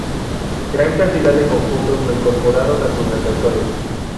Gran cantidad de conjuntos lo incorporaron a sus repertorios.